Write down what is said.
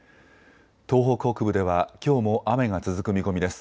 東北北部ではきょうも雨が続く見込みです。